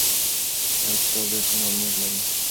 دغه کتاب ډېر ښه معلومات لري.